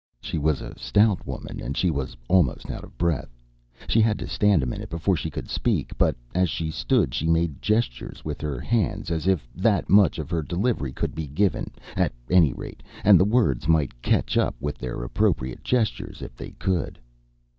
She was a stout woman, and she was almost out of breath. She had to stand a minute before she could speak, but as she stood she made gestures with her hands, as if that much of her delivery could be given, at any rate, and the words might catch up with their appropriate gestures if they could.